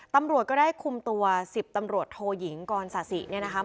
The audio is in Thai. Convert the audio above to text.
ตำรวจก็ได้คุมตัว๑๐ตำรวจโทยิงกรศาสิเนี่ยนะคะ